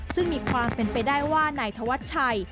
ซึ่งมีความเป็นไปได้ว่านายธวัชชัย